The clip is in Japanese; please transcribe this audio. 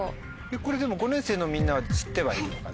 これでも５年生のみんなは知ってはいるのかな？